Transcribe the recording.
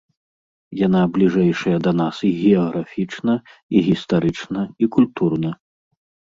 Яна бліжэйшая да нас і геаграфічна, і гістарычна, і культурна.